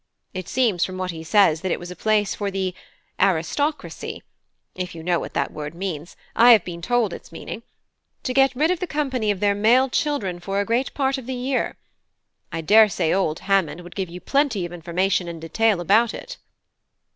It seems from what he says that it was a place for the 'aristocracy' (if you know what that word means; I have been told its meaning) to get rid of the company of their male children for a great part of the year. I daresay old Hammond would give you plenty of information in detail about it."